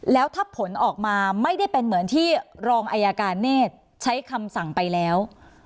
แล้วถ้าผลออกมาไม่ได้เป็นเหมือนที่รองอายการเนธใช้คำสั่งไปแล้ว